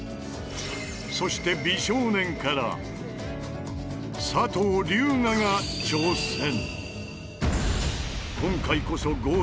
そして美少年から佐藤龍我が挑戦。